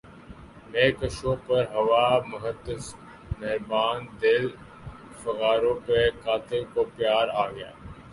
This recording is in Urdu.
مے کشوں پر ہوا محتسب مہرباں دل فگاروں پہ قاتل کو پیار آ گیا